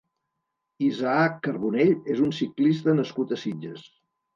Isaac Carbonell és un ciclista nascut a Sitges.